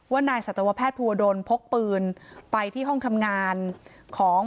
นายสัตวแพทย์ภูวดลพกปืนไปที่ห้องทำงานของ